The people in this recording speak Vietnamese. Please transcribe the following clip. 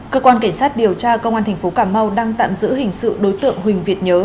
cơ quan cảnh sát điều tra công an thành phố cà mau đang tạm giữ hình sự đối tượng huỳnh việt nhớ